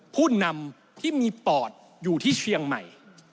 ผู้นำที่มีปอดอยู่ที่เชียงใหม่